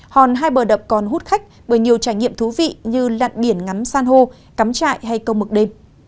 hòn hai bờ đập còn hút khách bởi nhiều trải nghiệm thú vị như lặn biển ngắm san hô cắm trại hay câu mực đêm